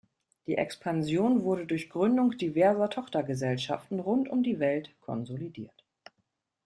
Die Expansion wurde durch Gründung diverser Tochtergesellschaften rund um die Welt konsolidiert.